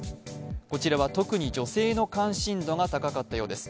こちらは特に女性の関心度が高かったようです。